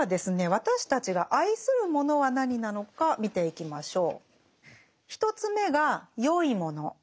私たちが愛するものは何なのか見ていきましょう。